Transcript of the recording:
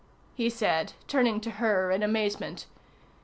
he said, turning to her in amazement.